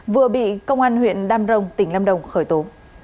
vừa bị công an huyện đam rồng tỉnh lâm đồng khởi tố